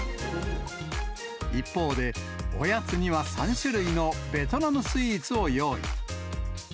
一方で、おやつには３種類のベトナムスイーツを用意。